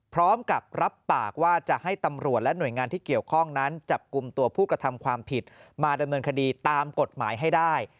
พร้อมกับรับปากว่าจะให้ตำรวจและหน่วยงานที่เกี่ยวข้องนั้นจับกลุ่มตัวผู้กระทำความผิดมาดำเนินคดีตามกฎหมายให้ได้